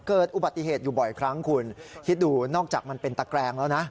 เกิดอุบัติเหตุอยู่บ่อยครั้งคุณคิดดูนอกจากมันเป็นตะแกรงแล้วนะ